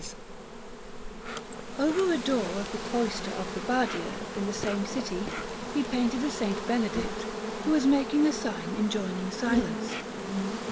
Marco_) Anderson] Over a door of the cloister of the Badia in the same city he painted a S. Benedict, who is making a sign enjoining silence.